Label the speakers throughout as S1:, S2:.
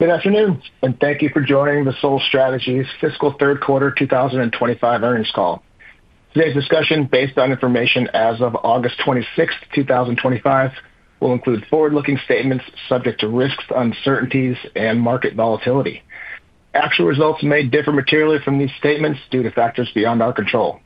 S1: Good afternoon and thank you for joining the SOL Strategies Fiscal Third Quarter 2025 Earnings Call. Today's discussion, based on information as of August 26, 2025, will include forward-looking statements subject to risks, uncertainties, and market volatility. Actual results may differ materially from these statements due to factors beyond our control.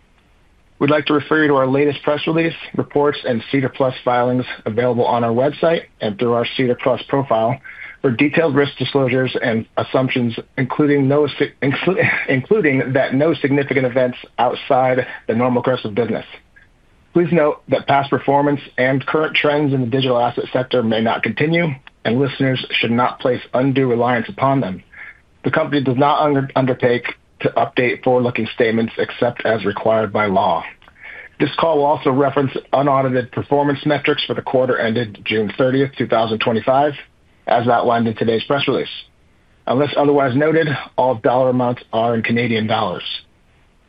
S1: We would like to refer you to our latest press release, reports, and SEDAR+ filings available on our website and through our SEDAR+ profile for detailed risk disclosures and assumptions, including that no significant events outside the normal course of business. Please note that past performance and current trends in the digital asset sector may not continue, and listeners should not place undue reliance upon them. The company does not undertake to update forward-looking statements except as required by law. This call will also reference unaudited performance metrics for the quarter ended June 30, 2025, as outlined in today's press release. Unless otherwise noted, all dollar amounts are in Canadian dollars.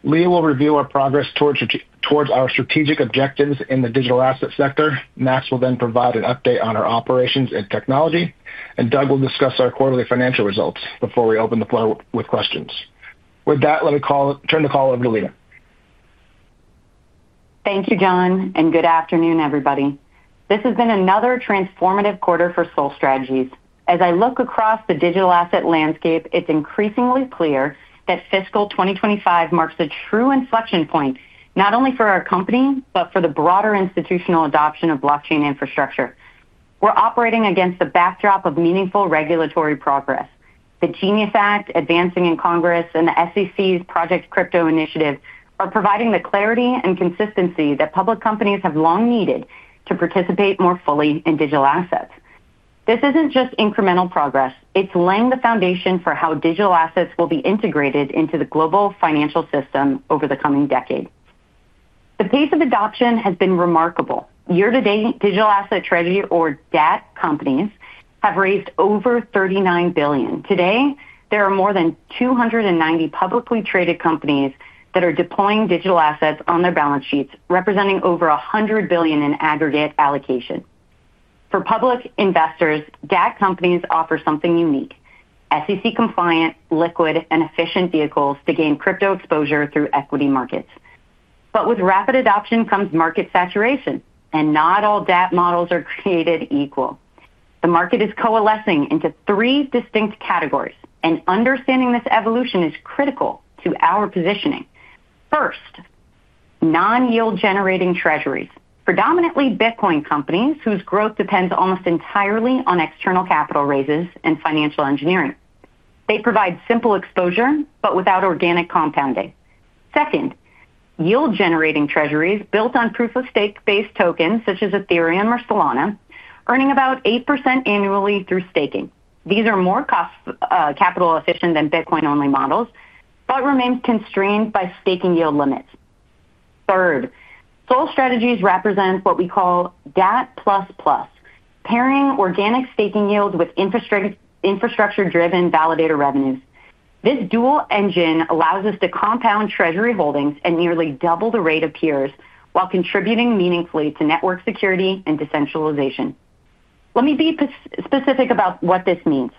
S1: Leah will review our progress towards our strategic objectives in the digital asset sector. Max will then provide an update on our operations and technology, and Doug will discuss our quarterly financial results before we open the floor with questions. With that, let me turn the call over to Leah.
S2: Thank you, John, and good afternoon, everybody. This has been another transformative quarter for SOL Strategies. As I look across the digital asset landscape, it's increasingly clear that fiscal 2025 marks a true inflection point, not only for our company but for the broader institutional adoption of blockchain infrastructure. We're operating against the backdrop of meaningful regulatory progress. The GENIUS Act advancing in Congress and the SEC's Project Crypto Initiative are providing the clarity and consistency that public companies have long needed to participate more fully in digital assets. This isn't just incremental progress; it's laying the foundation for how digital assets will be integrated into the global financial system over the coming decade. The pace of adoption has been remarkable. Year-to-date Digital Asset Treasury, or DAT, companies have raised over 39 billion. Today, there are more than 290 publicly traded companies that are deploying digital assets on their balance sheets, representing over 100 billion in aggregate allocation. For public investors, DAT companies offer something unique: SEC compliant, liquid, and efficient vehicles to gain crypto exposure through equity markets. With rapid adoption comes market saturation, and not all DAT models are created equal. The market is coalescing into three distinct categories, and understanding this evolution is critical to our positioning. First, non-yield generating treasuries, predominantly Bitcoin companies whose growth depends almost entirely on external capital raises and financial engineering. They provide simple exposure but without organic compounding. Second, yield generating treasuries built on proof of stake-based tokens such as Ethereum or Solana, earning about 8% annually through staking. These are more cost capital efficient than Bitcoin-only models but remain constrained by staking yield limits. Third, SOL Strategies represent what we call DAT++, pairing organic staking yields with infrastructure-driven validator revenue. This dual engine allows us to compound treasury holdings at nearly double the rate of peers while contributing meaningfully to network security and decentralization. Let me be specific about what this means.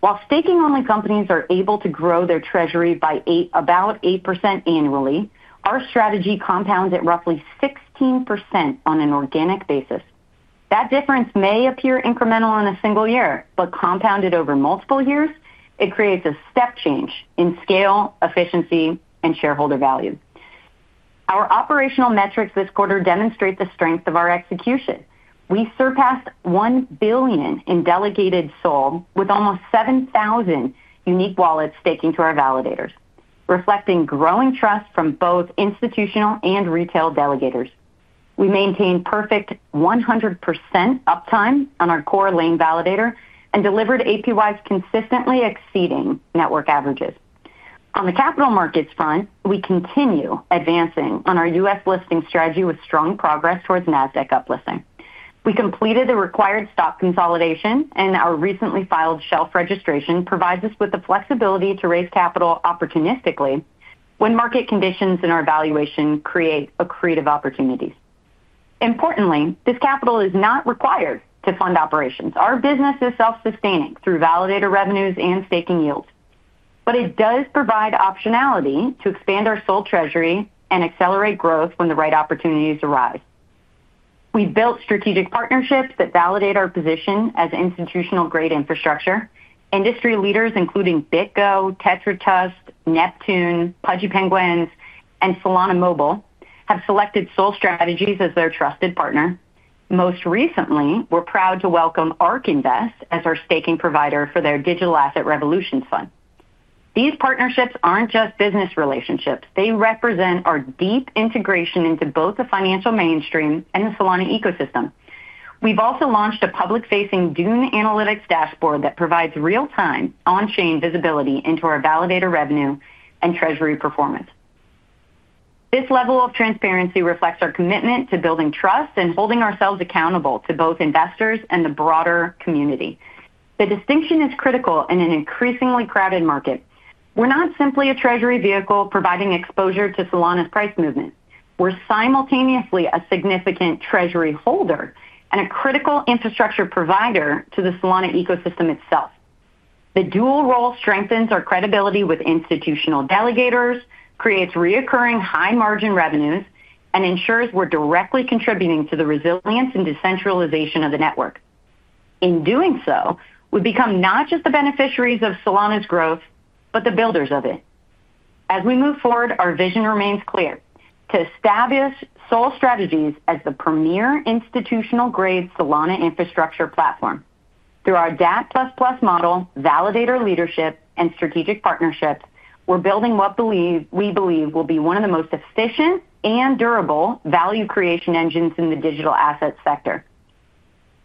S2: While staking-only companies are able to grow their treasury by about 8% annually, our strategy compounds at roughly 16% on an organic basis. That difference may appear incremental in a single year, but compounded over multiple years, it creates a step change in scale, efficiency, and shareholder value. Our operational metrics this quarter demonstrate the strength of our execution. We surpassed 1 billion in delegated SOL, with almost 7,000 unique wallets staking to our validators, reflecting growing trust from both institutional and retail delegators. We maintained perfect 100% uptime on our core Laine validator and delivered APYs consistently exceeding network averages. On the capital markets front, we continue advancing on our U.S. listing strategy with strong progress towards NASDAQ uplisting. We completed the required stock consolidation, and our recently filed shelf registration provides us with the flexibility to raise capital opportunistically when market conditions and our valuation create creative opportunities. Importantly, this capital is not required to fund operations. Our business is self-sustaining through validator revenues and staking yields, but it does provide optionality to expand our SOL treasury and accelerate growth when the right opportunities arise. We've built strategic partnerships that validate our position as institutional-grade infrastructure. Industry leaders, including BitGo, Tetra Trust, Neptune, Pudgy Penguins, and Solana Mobile, have selected SOL Strategies as their trusted partner. Most recently, we're proud to welcome ARK Invest as our staking provider for their Digital Asset Revolutions Fund. These partnerships aren't just business relationships; they represent our deep integration into both the financial mainstream and the Solana ecosystem. We've also launched a public-facing Dune Analytics dashboard that provides real-time on-chain visibility into our validator revenue and treasury performance. This level of transparency reflects our commitment to building trust and holding ourselves accountable to both investors and the broader community. The distinction is critical in an increasingly crowded market. We're not simply a treasury vehicle providing exposure to Solana's price movement. We're simultaneously a significant treasury holder and a critical infrastructure provider to the Solana ecosystem itself. The dual role strengthens our credibility with institutional delegators, creates recurring high margin revenues, and ensures we're directly contributing to the resilience and decentralization of the network. In doing so, we become not just the beneficiaries of Solana's growth but the builders of it. As we move forward, our vision remains clear: to establish SOL Strategies as the premier institutional-grade Solana infrastructure platform. Through our DAT++ model, validator leadership, and strategic partnerships, we're building what we believe will be one of the most efficient and durable value creation engines in the digital asset sector.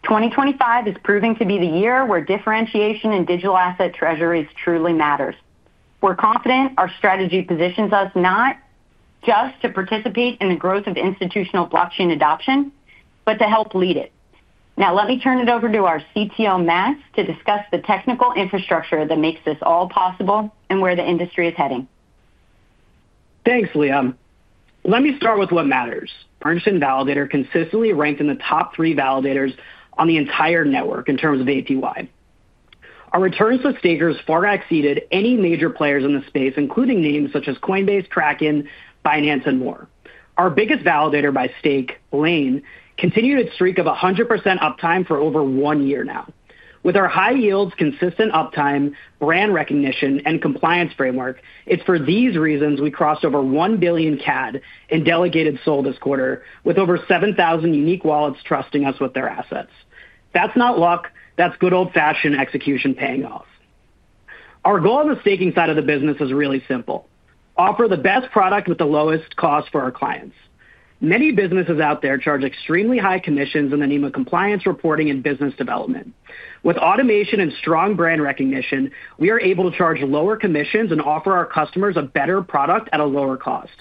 S2: 2025 is proving to be the year where differentiation in digital asset treasuries truly matters. We're confident our strategy positions us not just to participate in the growth of institutional blockchain adoption, but to help lead it. Now, let me turn it over to our CTO, Max, to discuss the technical infrastructure that makes this all possible and where the industry is heading.
S3: Thanks, Leah. Let me start with what matters: Orangefin Validator consistently ranked in the top three validators on the entire network in terms of APY. Our returns to stakers far exceeded any major players in the space, including names such as Coinbase, Kraken, Binance, and more. Our biggest validator by stake, Laine, continued its streak of 100% uptime for over one year now. With our high yields, consistent uptime, brand recognition, and compliance framework, it's for these reasons we crossed over $1 billion CAD in delegated SOL this quarter, with over 7,000 unique wallets trusting us with their assets. That's not luck; that's good old-fashioned execution paying off. Our goal on the staking side of the business is really simple: offer the best product with the lowest cost for our clients. Many businesses out there charge extremely high commissions in the name of compliance reporting and business development. With automation and strong brand recognition, we are able to charge lower commissions and offer our customers a better product at a lower cost.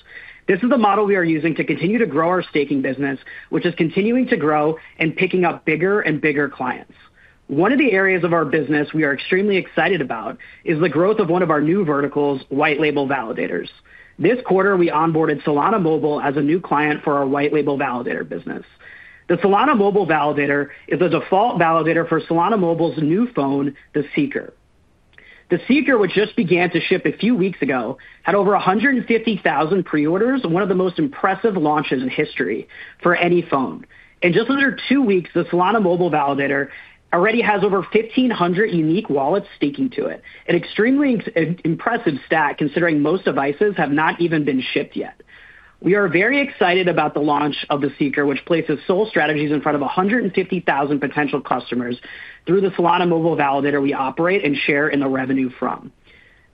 S3: This is the model we are using to continue to grow our staking business, which is continuing to grow and picking up bigger and bigger clients. One of the areas of our business we are extremely excited about is the growth of one of our new verticals, white-label validators. This quarter, we onboarded Solana Mobile as a new client for our white-label validator business. The Solana Mobile validator is the default validator for Solana Mobile's new phone, the Seeker. The Seeker, which just began to ship a few weeks ago, had over 150,000 pre-orders, one of the most impressive launches in history for any phone. In just under two weeks, the Solana Mobile validator already has over 1,500 unique wallets staking to it, an extremely impressive stat considering most devices have not even been shipped yet. We are very excited about the launch of the Seeker, which places SOL Strategies in front of 150,000 potential customers through the Solana Mobile validator we operate and share in the revenue from.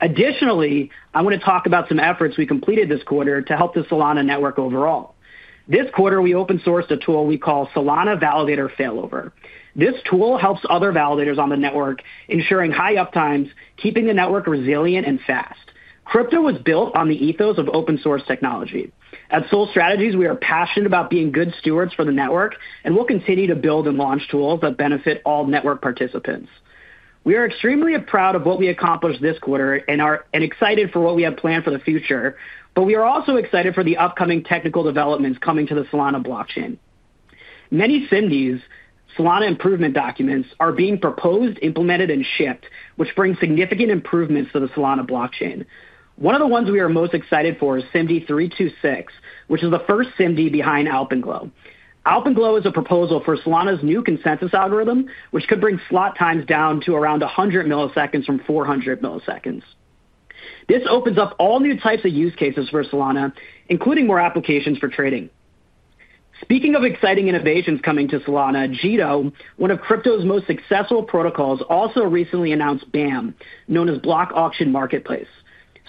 S3: Additionally, I want to talk about some efforts we completed this quarter to help the Solana network overall. This quarter, we open-sourced a tool we call Solana Validator Failover. This tool helps other validators on the network, ensuring high uptimes, keeping the network resilient and fast. Crypto was built on the ethos of open-source technology. At SOL Strategies, we are passionate about being good stewards for the network, and we'll continue to build and launch tools that benefit all network participants. We are extremely proud of what we accomplished this quarter and are excited for what we have planned for the future. We are also excited for the upcoming technical developments coming to the Solana blockchain. Many SIMDs, Solana Improvement Documents, are being proposed, implemented, and shipped, which brings significant improvements to the Solana blockchain. One of the ones we are most excited for is SIMD 326, which is the first SIMD behind Alpenglow. Alpenglow is a proposal for Solana's new consensus algorithm, which could bring slot times down to around 100 ms from 400 ms. This opens up all new types of use cases for Solana, including more applications for trading. Speaking of exciting innovations coming to Solana, Jito, one of crypto's most successful protocols, also recently announced BAM, known as Block Auction Marketplace.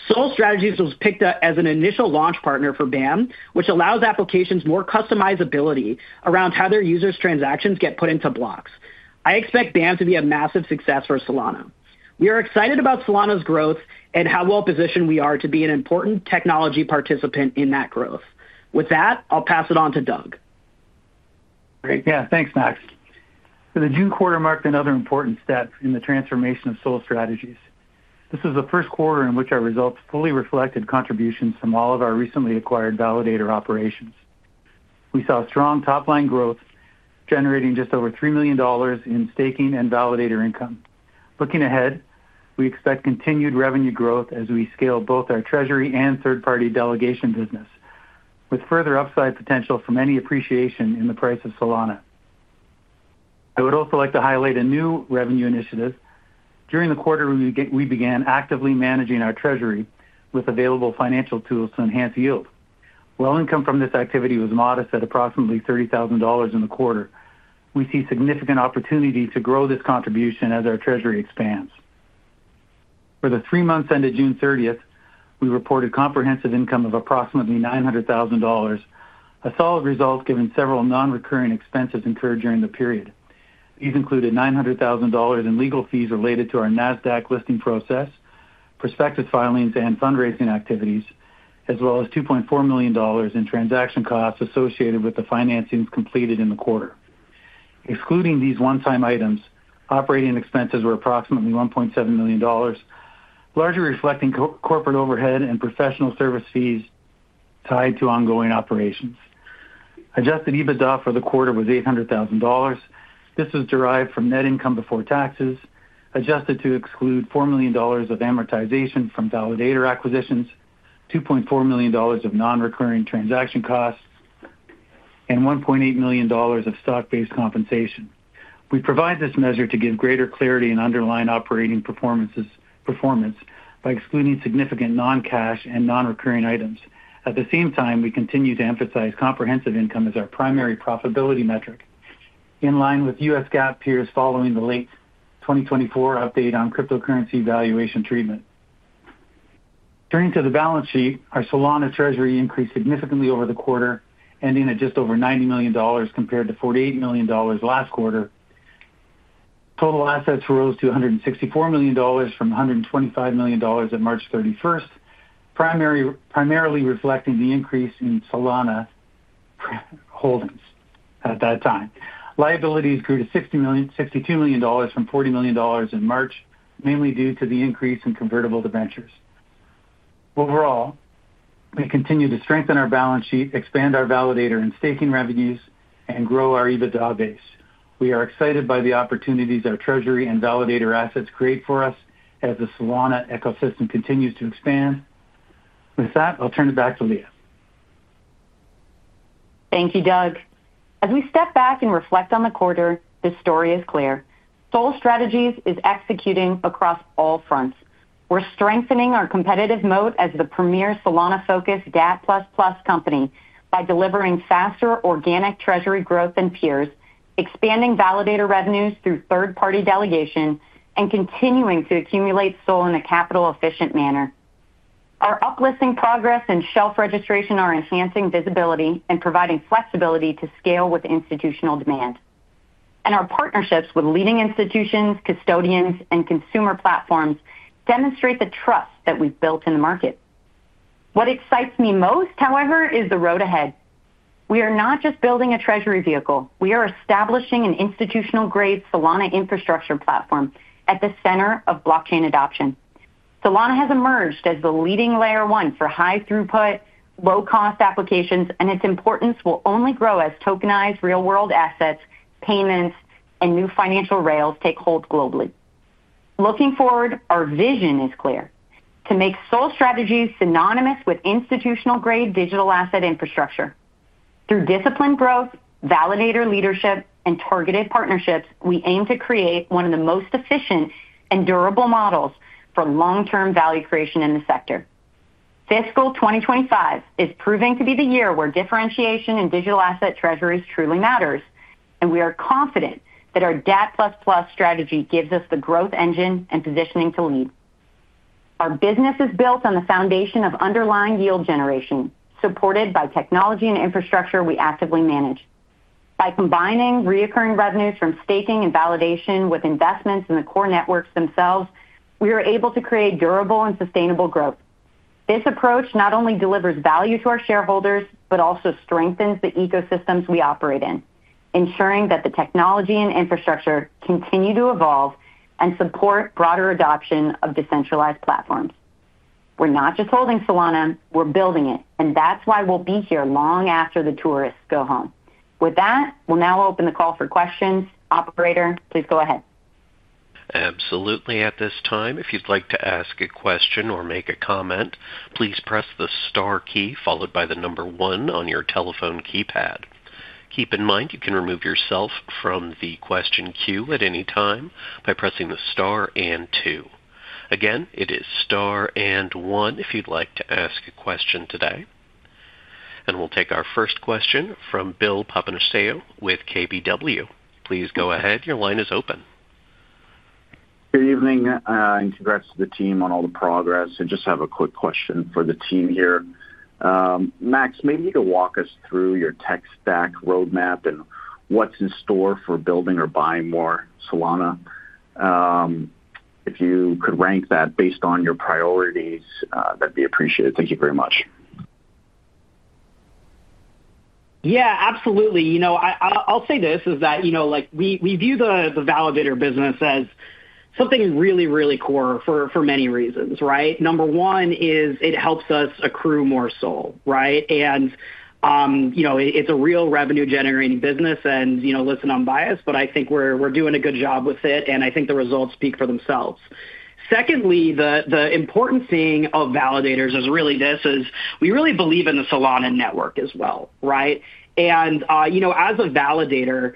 S3: SOL Strategies was picked up as an initial launch partner for BAM, which allows applications more customizability around how their users' transactions get put into blocks. I expect BAM to be a massive success for Solana. We are excited about Solana's growth and how well positioned we are to be an important technology participant in that growth. With that, I'll pass it on to Doug.
S4: Great. Yeah, thanks, Max. The June quarter marked another important step in the transformation of SOL Strategies. This was the first quarter in which our results fully reflected contributions from all of our recently acquired validator operations. We saw strong top-line growth, generating just over 3 million dollars in staking and validator income. Looking ahead, we expect continued revenue growth as we scale both our treasury and third-party delegation business, with further upside potential from any appreciation in the price of Solana. I would also like to highlight a new revenue initiative. During the quarter, we began actively managing our treasury with available financial tools to enhance yield. While income from this activity was modest at approximately 30,000 dollars in the quarter, we see significant opportunity to grow this contribution as our treasury expands. For the three months ended June 30, we reported comprehensive income of approximately 900,000 dollars, a solid result given several non-recurring expenses incurred during the period. These included 900,000 dollars in legal fees related to our NASDAQ listing process, prospective filings, and fundraising activities, as well as 2.4 million dollars in transaction costs associated with the financings completed in the quarter. Excluding these one-time items, operating expenses were approximately 1.7 million dollars, largely reflecting corporate overhead and professional service fees tied to ongoing operations. Adjusted EBITDA for the quarter was 800,000 dollars. This was derived from net income before taxes, adjusted to exclude 4 million dollars of amortization from validator acquisitions, 2.4 million dollars of non-recurring transaction costs, and 1.8 million dollars of stock-based compensation. We provide this measure to give greater clarity in underlying operating performance by excluding significant non-cash and non-recurring items. At the same time, we continue to emphasize comprehensive income as our primary profitability metric, in line with U.S. GAAP peers following the late 2024 update on cryptocurrency valuation treatment. Turning to the balance sheet, our Solana treasury increased significantly over the quarter, ending at just over 90 million dollars compared to 48 million dollars last quarter. Total assets rose to 164 million dollars from 125 million dollars at March 31st, primarily reflecting the increase in Solana holdings at that time. Liabilities grew to 62 million dollars from 40 million dollars in March, mainly due to the increase in convertible debentures. Overall, we continue to strengthen our balance sheet, expand our validator and staking revenues, and grow our EBITDA base. We are excited by the opportunities our treasury and validator assets create for us as the Solana ecosystem continues to expand. With that, I'll turn it back to Leah.
S2: Thank you, Doug. As we step back and reflect on the quarter, the story is clear. SOL Strategies is executing across all fronts. We're strengthening our competitive moat as the premier Solana-focused DAT++ company by delivering faster organic treasury growth than peers, expanding validator revenues through third-party delegation, and continuing to accumulate SOL in a capital-efficient manner. Our uplisting progress and shelf registration are enhancing visibility and providing flexibility to scale with institutional demand. Our partnerships with leading institutions, custodians, and consumer platforms demonstrate the trust that we've built in the market. What excites me most, however, is the road ahead. We are not just building a treasury vehicle. We are establishing an institutional-grade Solana infrastructure platform at the center of blockchain adoption. Solana has emerged as the leading Layer 1 for high throughput, low-cost applications, and its importance will only grow as tokenized real-world assets, payments, and new financial rails take hold globally. Looking forward, our vision is clear: to make SOL Strategies synonymous with institutional-grade digital asset infrastructure. Through disciplined growth, validator leadership, and targeted partnerships, we aim to create one of the most efficient and durable models for long-term value creation in the sector. Fiscal 2025 is proving to be the year where differentiation in digital asset treasuries truly matters, and we are confident that our DAT++ strategy gives us the growth engine and positioning to lead. Our business is built on the foundation of underlying yield generation, supported by technology and infrastructure we actively manage. By combining recurring revenues from staking and validation with investments in the core networks themselves, we are able to create durable and sustainable growth. This approach not only delivers value to our shareholders but also strengthens the ecosystems we operate in, ensuring that the technology and infrastructure continue to evolve and support broader adoption of decentralized platforms. We're not just holding Solana; we're building it, and that's why we'll be here long after the tourists go home. With that, we'll now open the call for questions. Operator, please go ahead.
S5: Absolutely. At this time, if you'd like to ask a question or make a comment, please press the star key followed by the number one on your telephone keypad. Keep in mind you can remove yourself from the question queue at any time by pressing the star and two. Again, it is star and one if you'd like to ask a question today. We'll take our first question from Bill Papanastasiou with KBW. Please go ahead. Your line is open.
S6: Good evening and congrats to the team on all the progress. I just have a quick question for the team here. Max, maybe you could walk us through your tech stack roadmap and what's in store for building or buying more Solana. If you could rank that based on your priorities, that'd be appreciated. Thank you very much.
S3: Yeah, absolutely. I'll say this is that we view the validator business as something really, really core for many reasons, right? Number one is it helps us accrue more SOL, right? It's a real revenue-generating business, and listen, unbiased, but I think we're doing a good job with it, and I think the results speak for themselves. Secondly, the important thing of validators is really this: we really believe in the Solana network as well, right? As a validator,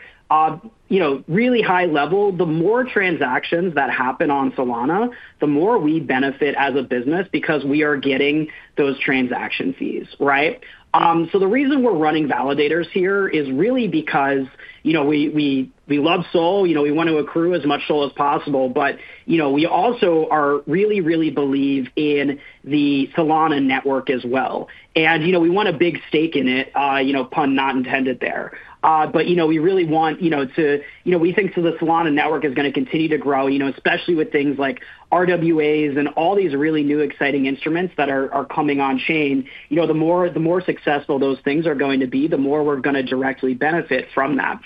S3: really high level, the more transactions that happen on Solana, the more we benefit as a business because we are getting those transaction fees, right? The reason we're running validators here is really because we love SOL. We want to accrue as much SOL as possible, but we also really, really believe in the Solana network as well. We want a big stake in it, pun not intended there. We really want to, we think the Solana network is going to continue to grow, especially with things like tokenized real-world assets and all these really new exciting instruments that are coming on chain. The more successful those things are going to be, the more we're going to directly benefit from that.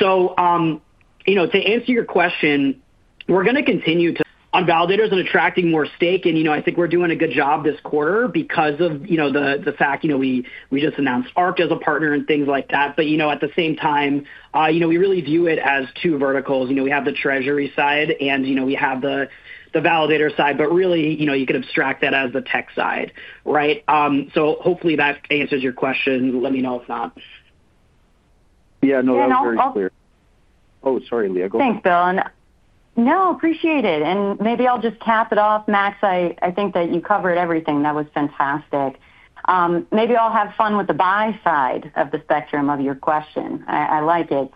S3: To answer your question, we're going to continue to focus on validators and attracting more stake. I think we're doing a good job this quarter because of the fact we just announced ARK as a partner and things like that. At the same time, we really view it as two verticals. We have the treasury side and we have the validator side, but really, you could abstract that as the tech side, right? Hopefully that answers your question. Let me know if not.
S6: Yeah, no, that was very clear. Sorry, Leah, go ahead.
S2: Thanks, Bill. Appreciate it. Maybe I'll just cap it off. Max, I think that you covered everything. That was fantastic. Maybe I'll have fun with the buy side of the spectrum of your question. I like it.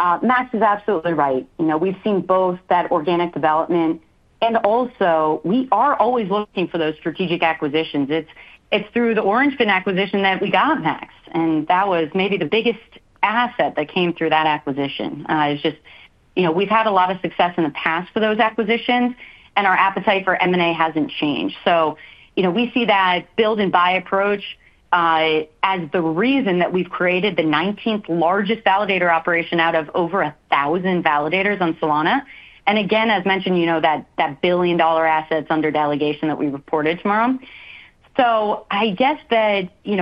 S2: Max is absolutely right. We've seen both that organic development and also we are always looking for those strategic acquisitions. It's through the Orangefin acquisition that we got Max, and that was maybe the biggest asset that came through that acquisition. We've had a lot of success in the past for those acquisitions, and our appetite for M&A hasn't changed. We see that build and buy approach as the reason that we've created the 19th largest validator operation out of over 1,000 validators on Solana. As mentioned, that billion-dollar assets under delegation that we reported tomorrow.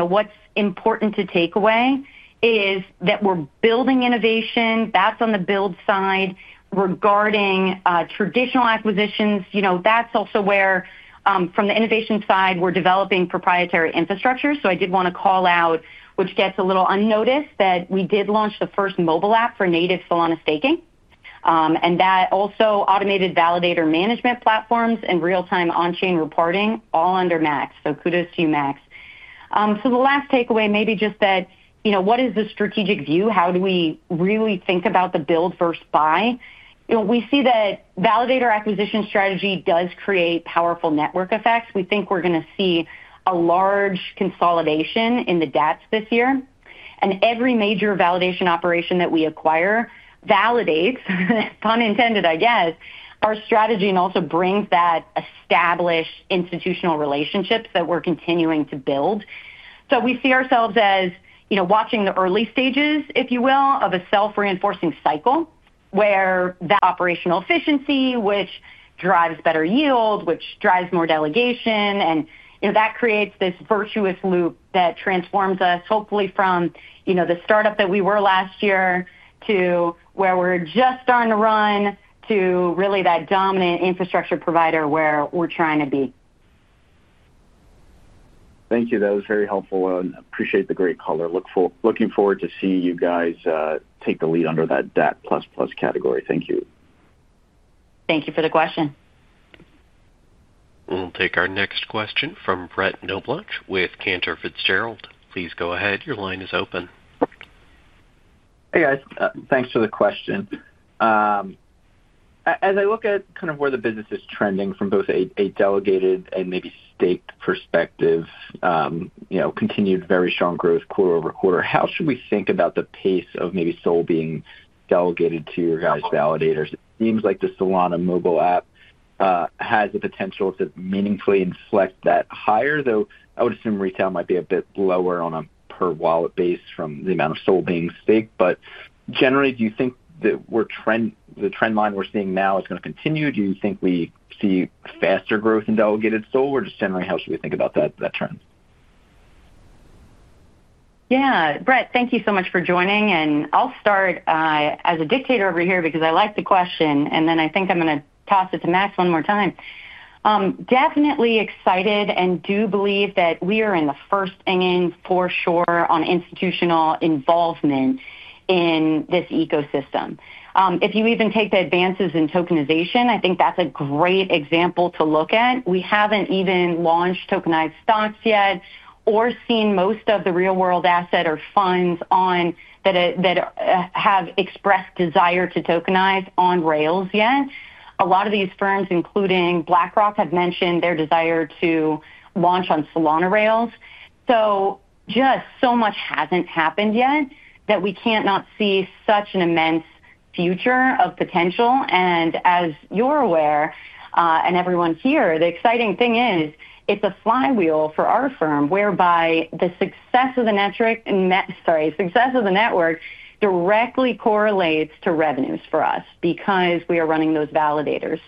S2: What's important to take away is that we're building innovation. That's on the build side. Regarding traditional acquisitions, that's also where, from the innovation side, we're developing proprietary infrastructure. I did want to call out, which gets a little unnoticed, that we did launch the first mobile app for native Solana staking. That also automated validator management platforms and real-time on-chain reporting, all under Max. Kudos to you, Max. The last takeaway, maybe just that, what is the strategic view? How do we really think about the build versus buy? We see that validator acquisition strategy does create powerful network effects. We think we're going to see a large consolidation in the DATs this year. Every major validation operation that we acquire validates, pun intended, our strategy and also brings that established institutional relationships that we're continuing to build. We see ourselves as watching the early stages, if you will, of a self-reinforcing cycle where that operational efficiency, which drives better yield, which drives more delegation. That creates this virtuous loop that transforms us hopefully from the startup that we were last year to where we're just starting to run to really that dominant infrastructure provider where we're trying to be.
S6: Thank you. That was very helpful. I appreciate the great color. Looking forward to seeing you guys take the lead under that DAT++ category. Thank you.
S2: Thank you for the question.
S5: We'll take our next question from Brett Knoblauch with Cantor Fitzgerald. Please go ahead. Your line is open.
S7: Hey, guys. Thanks for the question. As I look at kind of where the business is trending from both a delegated and maybe staked perspective, you know, continued very strong growth quarter-over-quarter, how should we think about the pace of maybe SOL being delegated to your guys' validators? It seems like the Solana Mobile app has the potential to meaningfully inflect that higher, though I would assume retail might be a bit lower on a per-wallet base from the amount of SOL being staked. Generally, do you think that the trend line we're seeing now is going to continue? Do you think we see faster growth in delegated SOL, or just generally, how should we think about that trend?
S2: Yeah, Brett, thank you so much for joining. I'll start as a dictator over here because I like the question, and then I think I'm going to toss it to Max one more time. Definitely excited and do believe that we are in the first innings for sure on institutional involvement in this ecosystem. If you even take the advances in tokenization, I think that's a great example to look at. We haven't even launched tokenized stocks yet or seen most of the real-world asset or funds that have expressed desire to tokenize on rails yet. A lot of these firms, including BlackRock, have mentioned their desire to launch on Solana rails. Just so much hasn't happened yet that we can't not see such an immense future of potential. As you're aware and everyone's here, the exciting thing is it's a flywheel for our firm whereby the success of the network directly correlates to revenues for us because we are running those validators.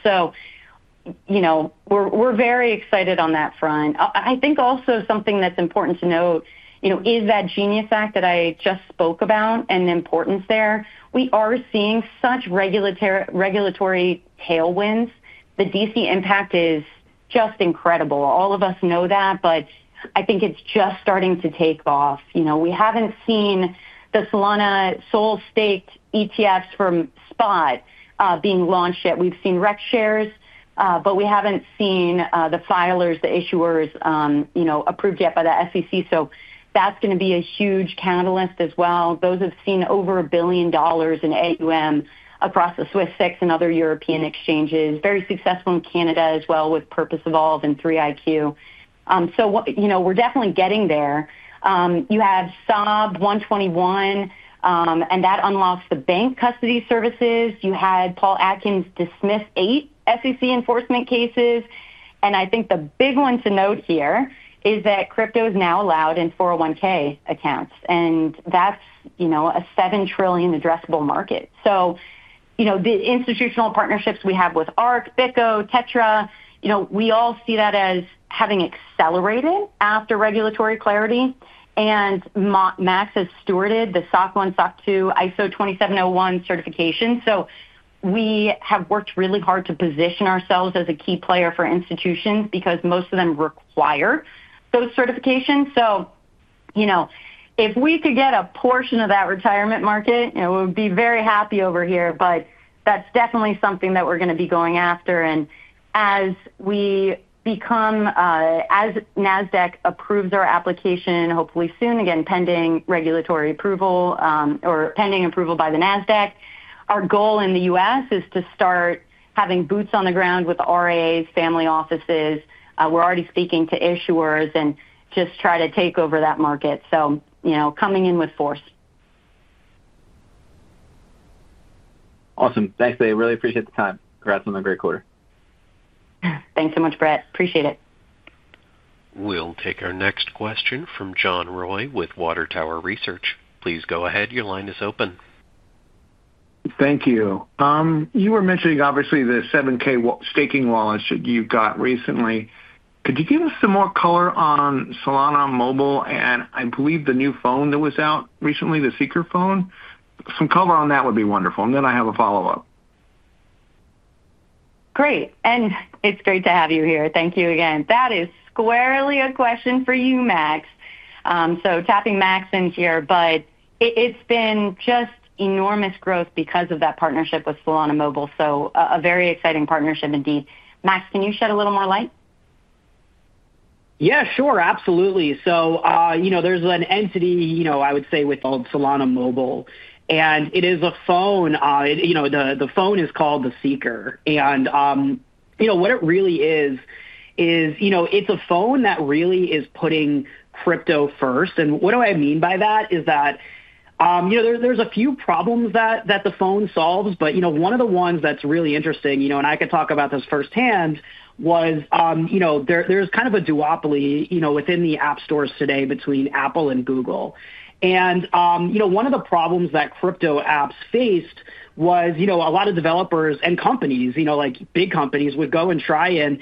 S2: We're very excited on that front. I think also something that's important to note is that GENIUS Act that I just spoke about and the importance there. We are seeing such regulatory tailwinds. The D.C. impact is just incredible. All of us know that, but I think it's just starting to take off. We haven't seen the Solana SOL staked ETFs from spot being launched yet. We've seen rec shares, but we haven't seen the filers, the issuers, approved yet by the SEC. That's going to be a huge catalyst as well. Those have seen over $1 billion in AUM across the Swiss SEC and other European exchanges. Very successful in Canada as well with Purpose Evolved and 3iQ. We're definitely getting there. You have SAB 121, and that unlocks the bank custody services. You had Paul Atkins dismiss eight SEC enforcement cases. I think the big one to note here is that crypto is now allowed in 401(k) accounts. That's a 7 trillion addressable market. The institutional partnerships we have with ARK, BitGo, Tetra, we all see that as having accelerated after regulatory clarity. Max has stewarded the SOC 1, SOC 2, ISO 27001 certification. We have worked really hard to position ourselves as a key player for institutions because most of them require those certifications. If we could get a portion of that retirement market, we would be very happy over here. That's definitely something that we're going to be going after. As NASDAQ approves our application, hopefully soon again, pending regulatory approval or pending approval by the NASDAQ, our goal in the U.S. is to start having boots on the ground with RAs, family offices. We're already speaking to issuers and just try to take over that market, coming in with force.
S7: Awesome. Thanks, Leah. Really appreciate the time. Congrats on a great quarter.
S2: Thanks so much, Brett. Appreciate it.
S5: We'll take our next question from John Roy with Water Tower Research. Please go ahead. Your line is open.
S8: Thank you. You were mentioning, obviously, the 7,000 staking wallets that you've got recently. Could you give us some more color on Solana Mobile and I believe the new phone that was out recently, the Seeker phone? Some color on that would be wonderful. I have a follow-up.
S2: Great. It's great to have you here. Thank you again. That is squarely a question for you, Max. Tapping Max in here, it's been just enormous growth because of that partnership with Solana Mobile. A very exciting partnership indeed. Max, can you shed a little more light?
S3: Yeah, sure. Absolutely. There's an entity, I would say, with Solana Mobile. It is a phone. The phone is called the Seeker. What it really is, is it's a phone that really is putting crypto first. What I mean by that is that there's a few problems that the phone solves. One of the ones that's really interesting, and I could talk about this firsthand, was there's kind of a duopoly within the app stores today between Apple and Google. One of the problems that crypto apps faced was a lot of developers and companies, like big companies, would go and try and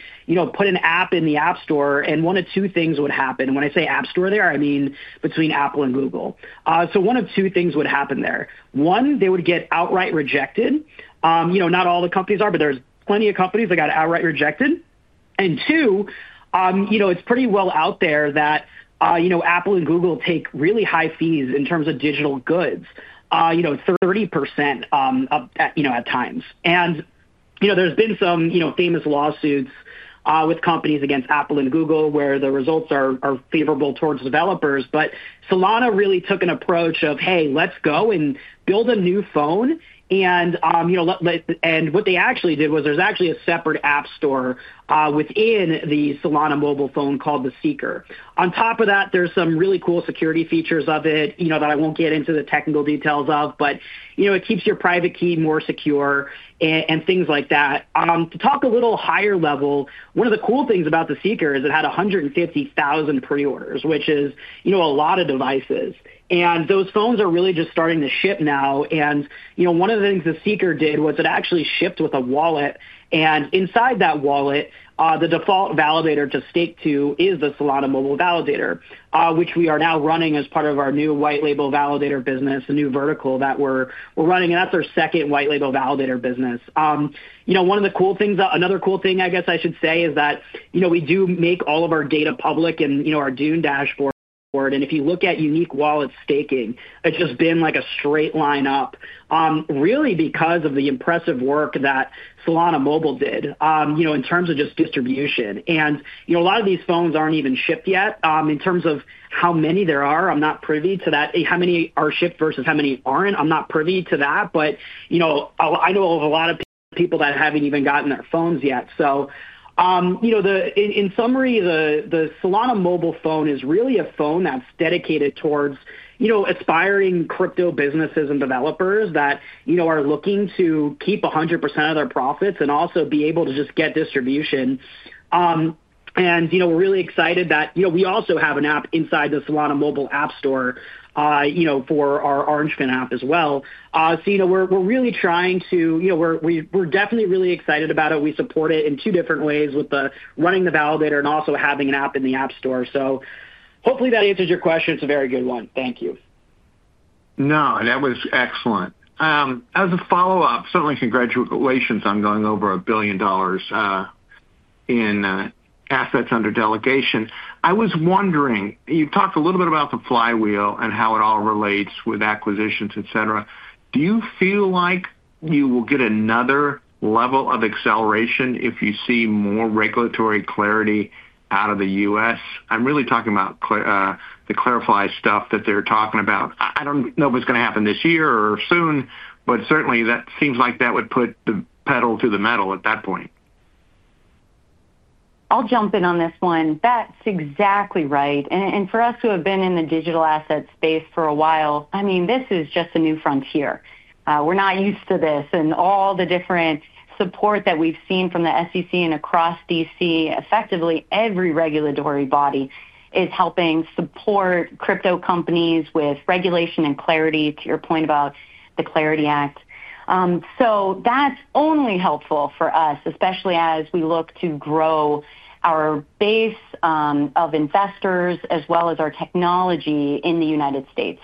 S3: put an app in the App Store, and one of two things would happen. When I say App Store there, I mean between Apple and Google. One of two things would happen there. One, they would get outright rejected. Not all the companies are, but there's plenty of companies that got outright rejected. Two, it's pretty well out there that Apple and Google take really high fees in terms of digital goods. It's 30% at times. There's been some famous lawsuits with companies against Apple and Google where the results are favorable towards developers. Solana really took an approach of, hey, let's go and build a new phone. What they actually did was there's actually a separate app store within the Solana Mobile phone called the Seeker. On top of that, there's some really cool security features of it that I won't get into the technical details of, but it keeps your private key more secure and things like that. To talk a little higher level, one of the cool things about the Seeker is it had 150,000 pre-orders, which is a lot of devices. Those phones are really just starting to ship now. One of the things the Seeker did was it actually shipped with a wallet. Inside that wallet, the default validator to stake to is the Solana Mobile validator, which we are now running as part of our new white-label validator business, a new vertical that we're running. That's our second white-label validator business. Another cool thing I guess I should say is that we do make all of our data public in our Dune dashboard. If you look at unique wallets staking, it's just been like a straight line up, really because of the impressive work that Solana Mobile did in terms of just distribution. A lot of these phones aren't even shipped yet. In terms of how many there are, I'm not privy to that. How many are shipped versus how many aren't, I'm not privy to that. I know a lot of people that haven't even gotten their phones yet. In summary, the Solana Mobile phone is really a phone that's dedicated towards aspiring crypto businesses and developers that are looking to keep 100% of their profits and also be able to just get distribution. We're really excited that we also have an app inside the Solana Mobile app store for our Orangefin app as well. We're really trying to, we're definitely really excited about it. We support it in two different ways with running the validator and also having an app in the app store. Hopefully that answers your question. It's a very good one. Thank you.
S8: No, that was excellent. As a follow-up, certainly congratulations on going over 1 billion dollars in assets under delegation. I was wondering, you've talked a little bit about the flywheel and how it all relates with acquisitions, etc. Do you feel like you will get another level of acceleration if you see more regulatory clarity out of the U.S.? I'm really talking about the clarity stuff that they're talking about. I don't know if it's going to happen this year or soon, but certainly that seems like that would put the pedal to the metal at that point.
S2: I'll jump in on this one. That's exactly right. For us who have been in the digital asset space for a while, this is just a new frontier. We're not used to this, and all the different support that we've seen from the SEC and across D.C., effectively every regulatory body is helping support crypto companies with regulation and clarity, to your point about the Clarity Act. That's only helpful for us, especially as we look to grow our base of investors as well as our technology in the United States.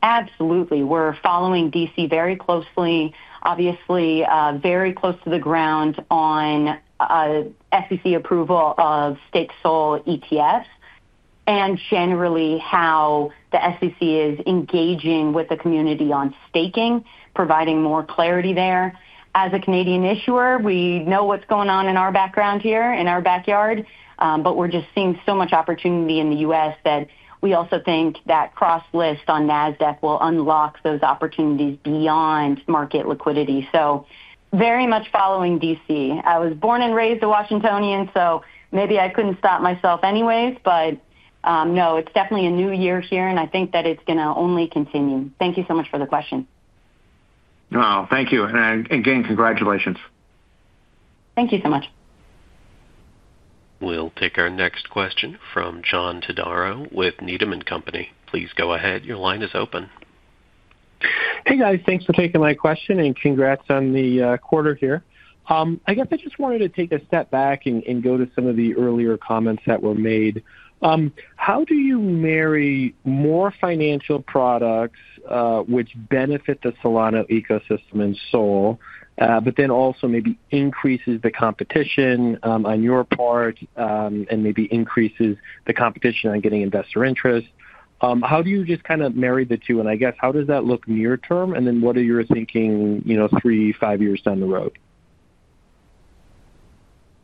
S2: Absolutely, we're following D.C. very closely, obviously very close to the ground on SEC approval of staked SOL ETFs and generally how the SEC is engaging with the community on staking, providing more clarity there. As a Canadian issuer, we know what's going on in our background here, in our backyard, but we're just seeing so much opportunity in the U.S. that we also think that cross-list on NASDAQ will unlock those opportunities beyond market liquidity. Very much following D.C. I was born and raised a Washingtonian, so maybe I couldn't stop myself anyways. No, it's definitely a new year here, and I think that it's going to only continue. Thank you so much for the question.
S8: Thank you. Again, congratulations.
S2: Thank you so much.
S5: We'll take our next question from John Todaro with Needham & Company. Please go ahead. Your line is open.
S9: Hey guys, thanks for taking my question and congrats on the quarter here. I just wanted to take a step back and go to some of the earlier comments that were made. How do you marry more financial products which benefit the Solana ecosystem and SOL, but also maybe increase the competition on your part and maybe increase the competition on getting investor interest? How do you just kind of marry the two? How does that look near term? What are your thinking, you know, three, five years down the road?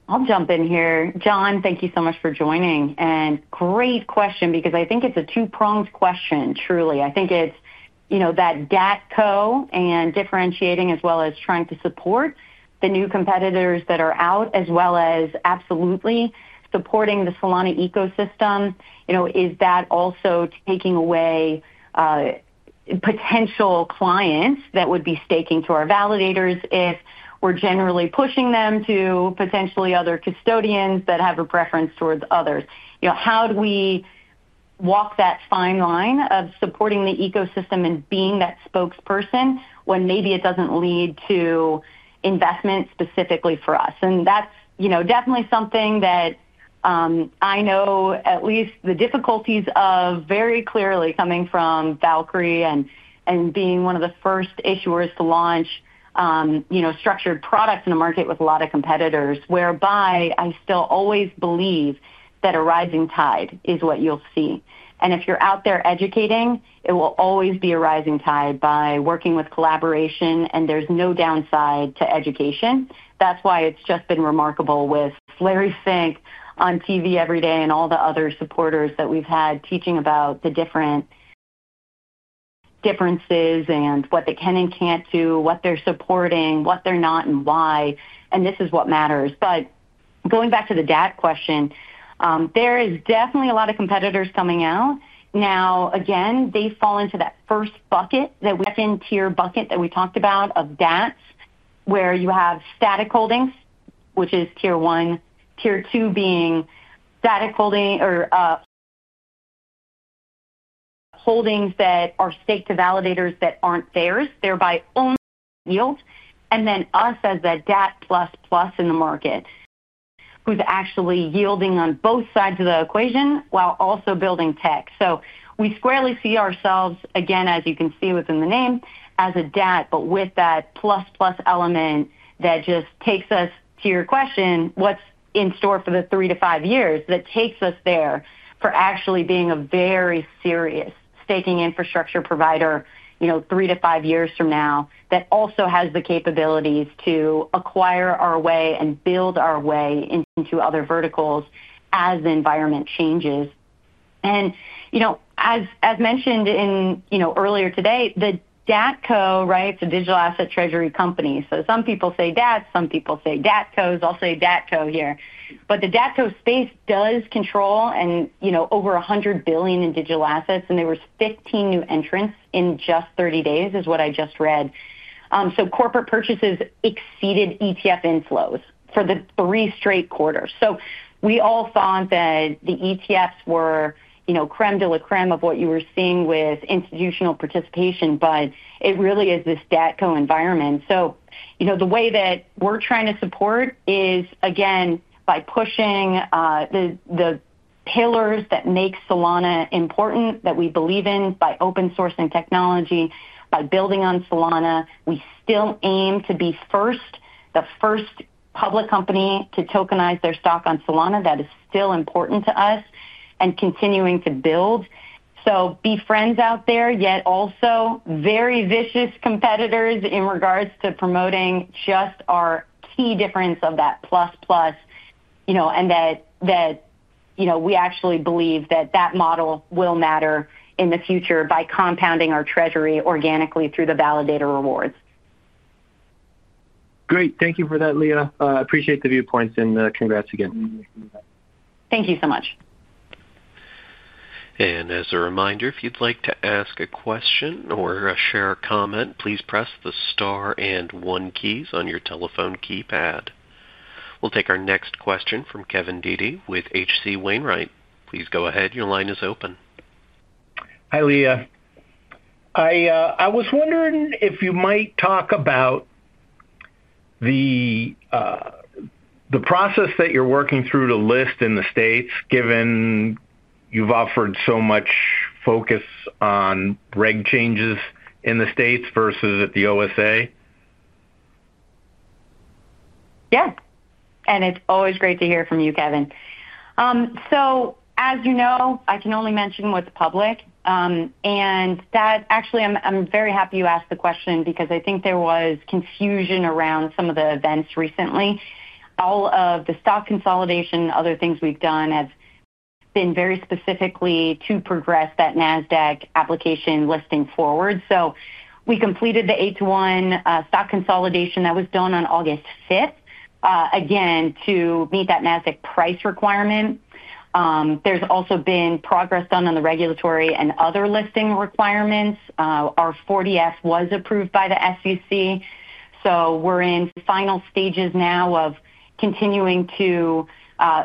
S2: I'll jump in here. John, thank you so much for joining. Great question because I think it's a two-pronged question, truly. I think it's, you know, that DATCO and differentiating as well as trying to support the new competitors that are out, as well as absolutely supporting the Solana ecosystem. Is that also taking away potential clients that would be staking to our validators if we're generally pushing them to potentially other custodians that have a preference towards others? How do we walk that fine line of supporting the ecosystem and being that spokesperson when maybe it doesn't lead to investment specifically for us? That's definitely something that I know at least the difficulties of very clearly coming from Valkyrie and being one of the first issuers to launch structured products in a market with a lot of competitors whereby I still always believe that a rising tide is what you'll see. If you're out there educating, it will always be a rising tide by working with collaboration, and there's no downside to education. That's why it's just been remarkable with Larry Fink on TV every day and all the other supporters that we've had teaching about the different differences and what they can and can't do, what they're supporting, what they're not, and why. This is what matters. Going back to the DAT question, there is definitely a lot of competitors coming out. Now, again, they fall into that first bucket, that second tier bucket that we talked about of DATs, where you have static holdings, which is tier one, tier two being static holdings that are staked to validators that aren't theirs, thereby only yield. Then us as the DAT++ in the market, who's actually yielding on both sides of the equation while also building tech. We squarely see ourselves again, as you can see within the name, as a DAT, but with that ++ element that just takes us to your question, what's in store for the three to five years that takes us there for actually being a very serious staking infrastructure provider, three to five years from now that also has the capabilities to acquire our way and build our way into other verticals as the environment changes. As mentioned earlier today, the DATCO, right, it's a digital asset treasury company. Some people say DAT, some people say DATCOs. I'll say DATCO here. The DATCO space does control, you know, over 100 billion in digital assets, and there were 15 new entrants in just 30 days, is what I just read. Corporate purchases exceeded ETF inflows for three straight quarters. We all thought that the ETFs were, you know, crème de la crème of what you were seeing with institutional participation, but it really is this DATCO environment. The way that we're trying to support is, again, by pushing the pillars that make Solana important, that we believe in, by open sourcing technology, by building on Solana. We still aim to be first, the first public company to tokenize their stock on Solana. That is still important to us and continuing to build. Be friends out there, yet also very vicious competitors in regards to promoting just our key difference of that ++, you know, and that, you know, we actually believe that that model will matter in the future by compounding our treasury organically through the validator rewards.
S9: Great. Thank you for that, Leah. I appreciate the viewpoints, and congrats again.
S2: Thank you so much.
S5: As a reminder, if you'd like to ask a question or share a comment, please press the star and one keys on your telephone keypad. We'll take our next question from Kevin Dede with H.C. Wainwright. Please go ahead. Your line is open.
S10: Hi, Leah. I was wondering if you might talk about the process that you're working through to list in the states, given you've offered so much focus on reg changes in the states versus at the OSA.
S2: Yeah. It's always great to hear from you, Kevin. As you know, I can only mention what's public. I'm very happy you asked the question because I think there was confusion around some of the events recently. All of the stock consolidation and other things we've done have been very specifically to progress that NASDAQ application listing forward. We completed the eight-to-one stock consolidation that was done on August 5th, again, to meet that NASDAQ price requirement. There's also been progress done on the regulatory and other listing requirements. Our 40-F was approved by the SEC. We're in final stages now of continuing to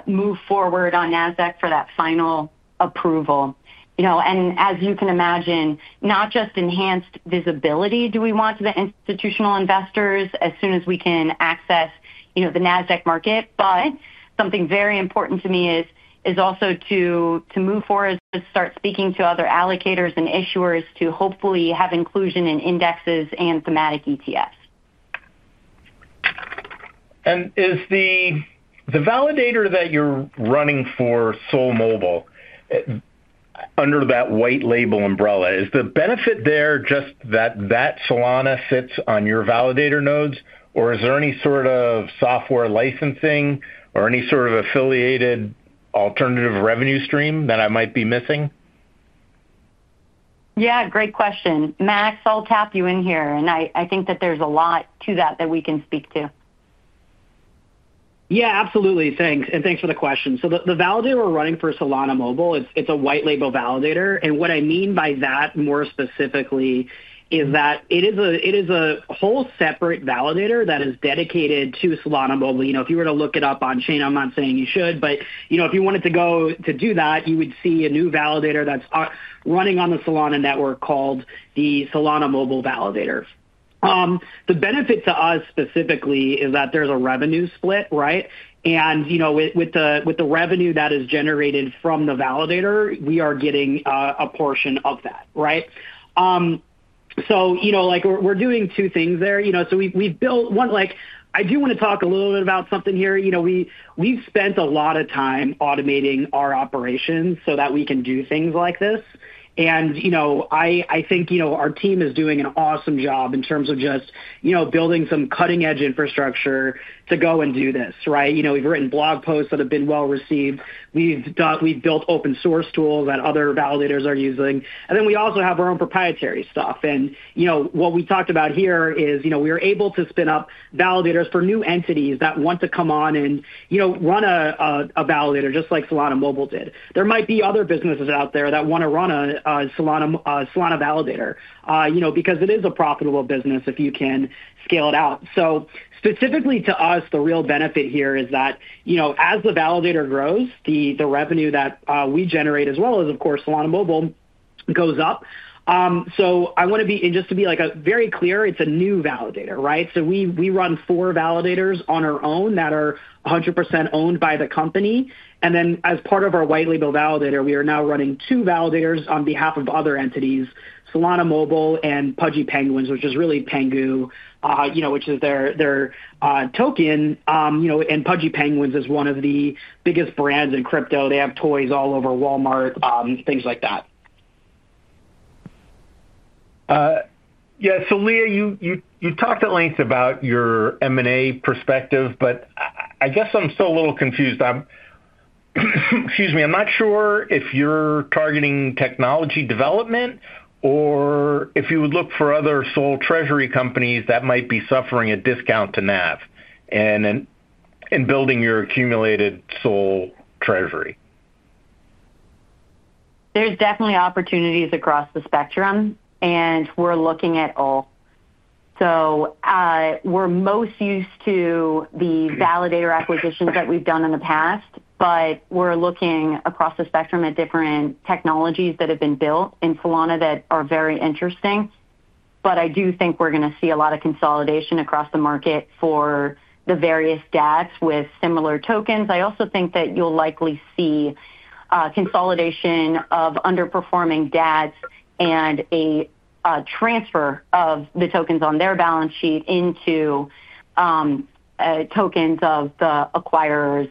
S2: move forward on NASDAQ for that final approval. As you can imagine, not just enhanced visibility do we want to the institutional investors as soon as we can access the NASDAQ market, but something very important to me is also to move forward to start speaking to other allocators and issuers to hopefully have inclusion in indexes and thematic ETFs.
S10: Is the validator that you're running for SOL Mobile under that white label umbrella, is the benefit there just that Solana fits on your validator nodes, or is there any sort of software licensing or any sort of affiliated alternative revenue stream that I might be missing?
S2: Yeah, great question. Max, I'll tap you in here. I think that there's a lot to that that we can speak to.
S3: Yeah, absolutely. Thanks. Thanks for the question. The validator we're running for Solana Mobile is a white label validator. What I mean by that more specifically is that it is a whole separate validator that is dedicated to Solana Mobile. If you were to look it up on chain, I'm not saying you should, but if you wanted to do that, you would see a new validator that's running on the Solana network called the Solana Mobile Validator. The benefit to us specifically is that there's a revenue split, right? With the revenue that is generated from the validator, we are getting a portion of that, right? We're doing two things there. We've built one, I do want to talk a little bit about something here. We've spent a lot of time automating our operations so that we can do things like this. I think our team is doing an awesome job in terms of just building some cutting-edge infrastructure to go and do this, right? We've written blog posts that have been well received. We've built open source tools that other validators are using. We also have our own proprietary stuff. What we talked about here is we are able to spin up validators for new entities that want to come on and run a validator just like Solana Mobile did. There might be other businesses out there that want to run a Solana validator because it is a profitable business if you can scale it out. Specifically to us, the real benefit here is that as the validator grows, the revenue that we generate, as well as, of course, Solana Mobile, goes up. I want to be just to be very clear, it's a new validator, right? We run four validators on our own that are 100% owned by the company. As part of our white label validator, we are now running two validators on behalf of other entities, Solana Mobile and Pudgy Penguins, which is really Pengu, which is their token. Pudgy Penguins is one of the biggest brands in crypto. They have toys all over Walmart, things like that.
S10: Yeah. Leah, you talked at length about your M&A perspective. I'm still a little confused. Excuse me, I'm not sure if you're targeting technology development or if you would look for other SOL treasury companies that might be suffering a discount to NAV in building your accumulated SOL treasury.
S2: There's definitely opportunities across the spectrum, and we're looking at all. We're most used to the validator acquisitions that we've done in the past, but we're looking across the spectrum at different technologies that have been built in Solana that are very interesting. I do think we're going to see a lot of consolidation across the market for the various DATs with similar tokens. I also think that you'll likely see consolidation of underperforming DATs and a transfer of the tokens on their balance sheet into tokens of the acquirer's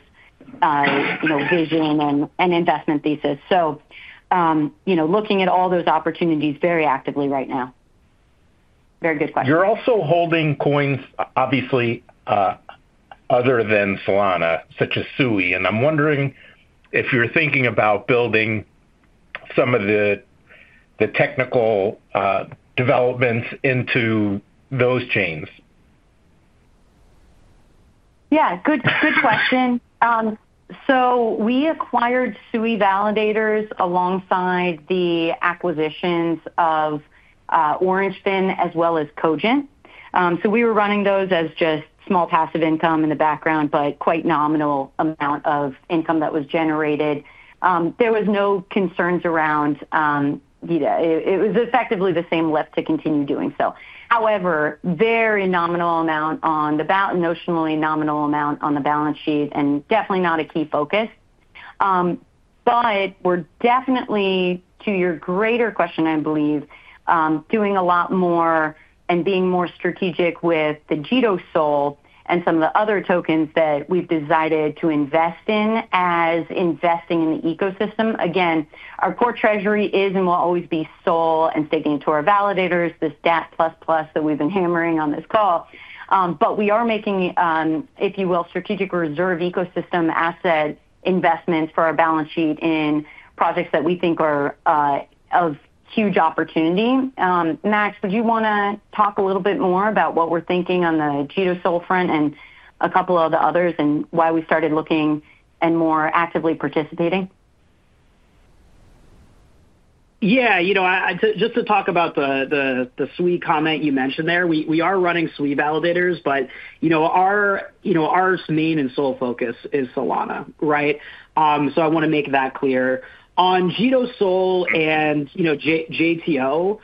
S2: vision and investment thesis. Looking at all those opportunities very actively right now. Very good question.
S10: You're also holding coins, obviously, other than Solana, such as SUI. I'm wondering if you're thinking about building some of the technical developments into those chains.
S2: Yeah, good question. We acquired SUI validators alongside the acquisitions of Orangefin as well as Cogent. We were running those as just small passive income in the background, but quite a nominal amount of income that was generated. There were no concerns around, you know, it was effectively the same left to continue doing so. However, very nominal amount on the balance, notionally nominal amount on the balance sheet, and definitely not a key focus. We're definitely, to your greater question, I believe, doing a lot more and being more strategic with the JitoSOL and some of the other tokens that we've decided to invest in as investing in the ecosystem. Again, our core treasury is and will always be SOL and staking to our validators, this DAT++ that we've been hammering on this call. We are making, if you will, strategic reserve ecosystem asset investments for our balance sheet in projects that we think are of huge opportunity. Max, would you want to talk a little bit more about what we're thinking on the JitoSOL front and a couple of the others and why we started looking and more actively participating?
S3: Yeah, you know, just to talk about the SUI comment you mentioned there, we are running SUI validators, but our main and sole focus is Solana, right? I want to make that clear. On JitoSOL and, you know, JTO,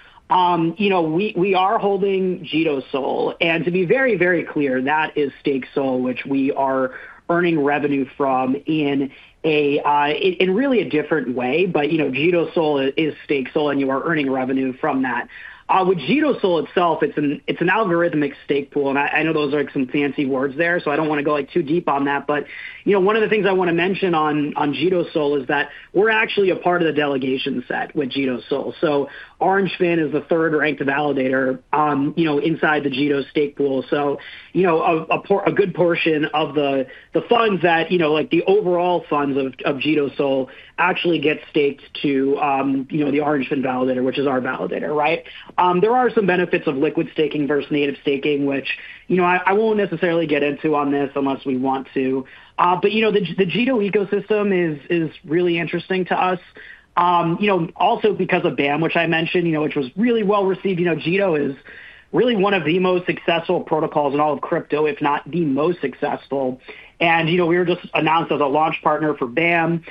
S3: we are holding JitoSOL. To be very, very clear, that is staked SOL, which we are earning revenue from in a really different way. JitoSOL is staked SOL, and you are earning revenue from that. With JitoSOL itself, it's an algorithmic stake pool. I know those are some fancy words there, so I don't want to go too deep on that. One of the things I want to mention on JitoSOL is that we're actually a part of the delegation set with JitoSOL. Orangefin is the third ranked validator inside the Jito stake pool. A good portion of the funds, like the overall funds of JitoSOL, actually get staked to the Orangefin validator, which is our validator, right? There are some benefits of liquid staking versus native staking, which I won't necessarily get into on this unless we want to. The Jito ecosystem is really interesting to us, also because of BAM, which I mentioned, which was really well received. Jito is really one of the most successful protocols in all of crypto, if not the most successful. We were just announced as a launch partner for BAM,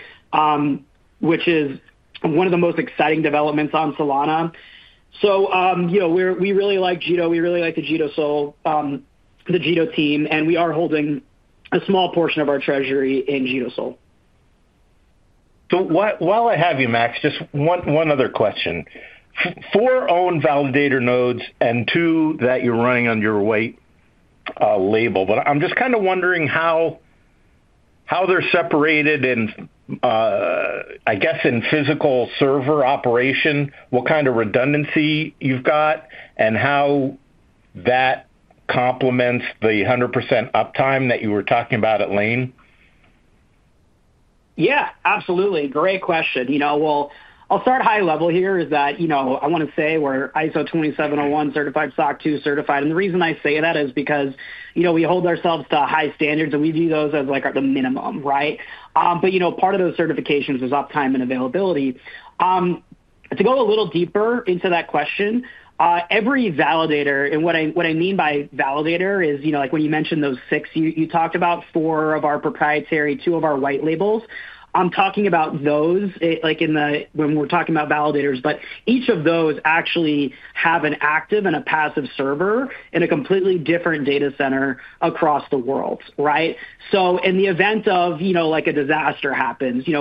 S3: which is one of the most exciting developments on Solana. We really like Jito. We really like the JitoSOL, the Jito team, and we are holding a small portion of our treasury in JitoSOL.
S10: While I have you, Max, just one other question. Four own validator nodes and two that you're running on your white label, but I'm just kind of wondering how they're separated, and I guess in physical server operation, what kind of redundancy you've got and how that complements the 100% uptime that you were talking about at Laine.
S3: Yeah, absolutely. Great question. I'll start high level here. I want to say we're ISO 27001 certified, SOC 2 certified. The reason I say that is because we hold ourselves to high standards and we view those as the minimum, right? Part of those certifications is uptime and availability. To go a little deeper into that question, every validator, and what I mean by validator is, like when you mentioned those six, you talked about four of our proprietary, two of our white labels. I'm talking about those when we're talking about validators, but each of those actually have an active and a passive server in a completely different data center across the world, right? In the event of a disaster,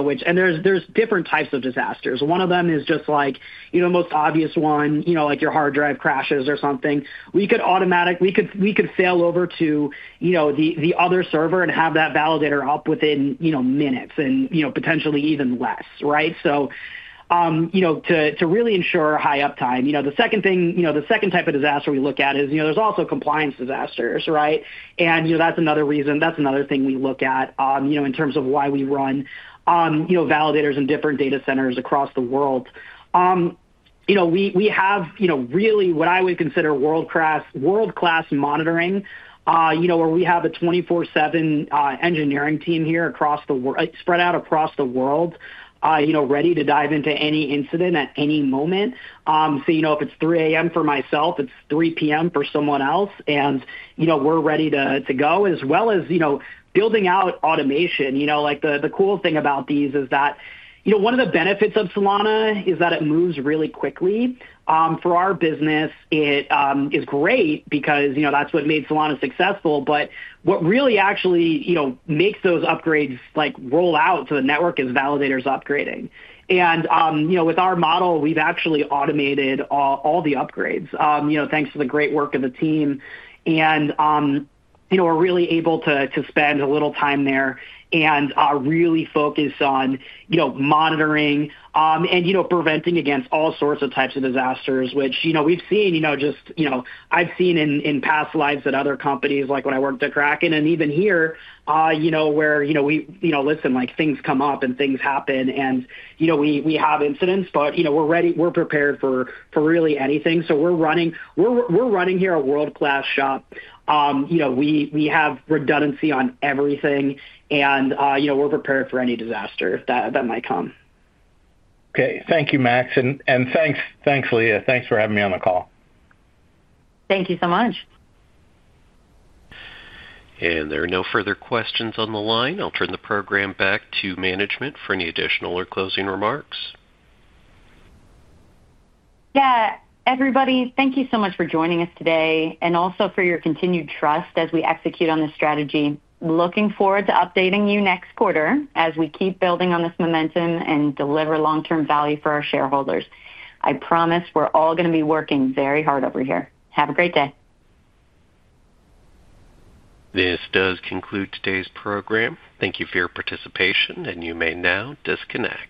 S3: which, and there's different types of disasters. One of them is just the most obvious one, like your hard drive crashes or something. We could automatically fail over to the other server and have that validator up within minutes and potentially even less, right? To really ensure high uptime, the second thing, the second type of disaster we look at is, there's also compliance disasters, right? That's another thing we look at in terms of why we run validators in different data centers across the world. We have what I would consider world-class monitoring, where we have a 24/7 engineering team here across the world, spread out across the world, ready to dive into any incident at any moment. If it's 3:00 A.M. for myself, it's 3:00 P.M. for someone else. We're ready to go as well as building out automation. The cool thing about these is that one of the benefits of Solana is that it moves really quickly. For our business, it is great because that's what made Solana successful. What really actually makes those upgrades roll out to the network is validators upgrading. With our model, we've actually automated all the upgrades, thanks to the great work of the team. We're really able to spend a little time there and really focus on monitoring and preventing against all sorts of types of disasters, which we've seen. I've seen in past lives at other companies, like when I worked at Kraken. Even here, things come up and things happen. We have incidents, but we're ready, we're prepared for really anything. We're running a world-class shop. We have redundancy on everything, and we're prepared for any disaster that might come.
S10: Okay. Thank you, Max. Thank you, Leah. Thanks for having me on the call.
S2: Thank you so much.
S5: There are no further questions on the line. I'll turn the program back to management for any additional or closing remarks.
S2: Yeah, everybody, thank you so much for joining us today and also for your continued trust as we execute on this strategy. Looking forward to updating you next quarter as we keep building on this momentum and deliver long-term value for our shareholders. I promise we're all going to be working very hard over here. Have a great day.
S5: This does conclude today's program. Thank you for your participation, and you may now disconnect.